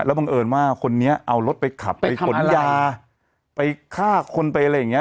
บังเอิญว่าคนนี้เอารถไปขับไปขนยาไปฆ่าคนไปอะไรอย่างนี้